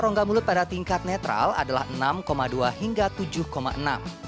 rongga mulut pada tingkat netral adalah enam dua hingga tujuh enam